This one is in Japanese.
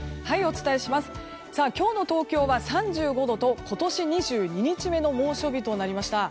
今日の東京は３５度と今年２２日目の猛暑日となりました。